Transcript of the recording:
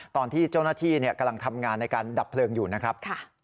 ตอนที่เจ้าหน้าที่กำลังทำงานในการดับเพลิงอยู่นะครับ